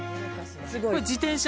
これ自転車。